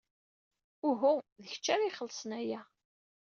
Uhu, d kecc ara ixellṣen aya.